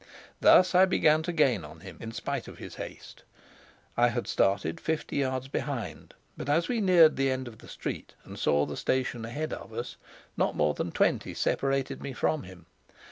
Thus I began to gain on him, in spite of his haste; I had started fifty yards behind, but as we neared the end of the street and saw the station ahead of us, not more than twenty separated me from him.